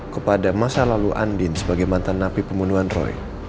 kepada masa lalu andin sebagai mantan napi pembunuhan roy